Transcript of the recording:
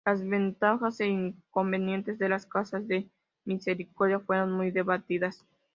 Las ventajas e inconvenientes de las casas de Misericordia fueron muy debatidas.